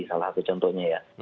salah satu contohnya ya